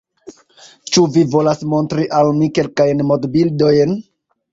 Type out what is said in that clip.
Ĉu vi volas montri al mi kelkajn modbildojn?